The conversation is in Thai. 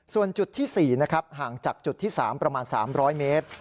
ส่วนจุดที่๔นะครับห่างจากจุดที่๓ประมาณ๓๐๐เมตร